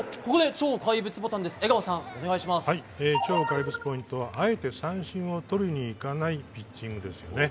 超怪物ボタンはあえて三振をとりにいかないピッチングですよね。